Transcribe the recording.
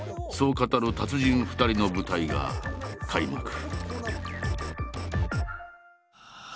そう語る達人２人の舞台が開幕。